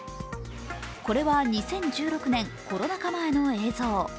これは２０１６年、コロナ禍前の映像。